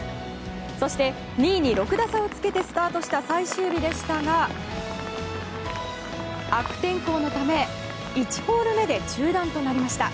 そして、２位に６打差をつけてスタートした最終日でしたが悪天候のため１ホール目で中断となりました。